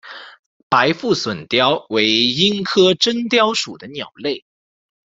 白腹隼雕为鹰科真雕属的鸟类。